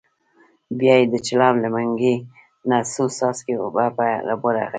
بیا یې د چلم له منګي نه څو څاڅکي اوبه په ورغوي کې.